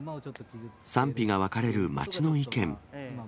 賛否が分かれる街の意見。